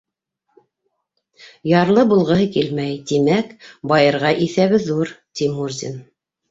Ярлы булғыһы килмәй, тимәк, байырға иҫәбе ҙур, — ти Мурзин.